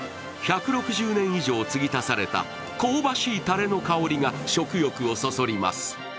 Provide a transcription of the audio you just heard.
１６０年以上継ぎ足された香ばしいタレの香りが食欲をそそります。